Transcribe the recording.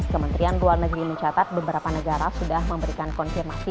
kementerian luar negeri mencatat beberapa negara sudah memberikan konfirmasi